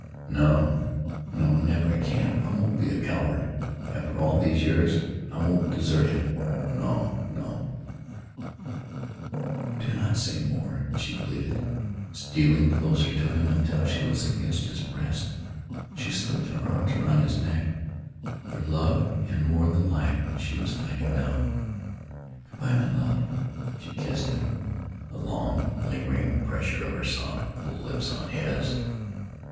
"No no never I can't I won't be a coward! After all these years I won't desert him. No no " "Do not say more," she pleaded, stealing closer to him until she was against his breast. She slipped her arms around his neck. For love and more than life she was fighting now. "Good bye, my love." She kissed him, a long, lingering pressure of her soft full lips on his.